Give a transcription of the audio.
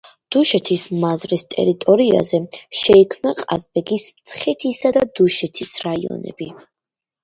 დუშეთის მაზრის ტერიტორიაზე შეიქმნა ყაზბეგის, მცხეთის და დუშეთის რაიონები.